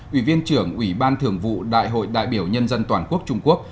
ủy viên trưởng ủy ban thường vụ đại hội đại biểu nhân dân toàn quốc trung quốc